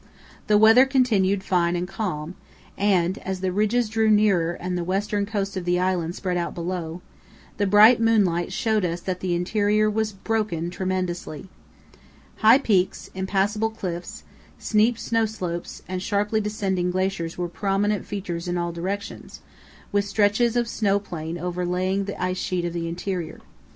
The weather continued fine and calm, and as the ridges drew nearer and the western coast of the island spread out below, the bright moonlight showed us that the interior was broken tremendously. High peaks, impassable cliffs, steep snow slopes, and sharply descending glaciers were prominent features in all directions, with stretches of snow plain over laying the ice sheet of the interior.